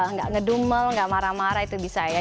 nggak ngedumel nggak marah marah itu bisa ya